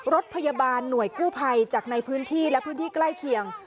รถพยาบาลหน่วยกู้ภัยจากในพื้นที่และพื้นที่ใกล้เคียง